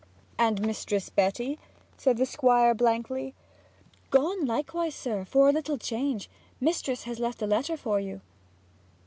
'And Mistress Betty?' said the Squire blankly. 'Gone likewise, sir, for a little change. Mistress has left a letter for you.'